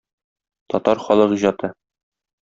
Татар халык иҗаты.